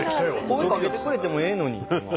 声かけてくれてもええのに。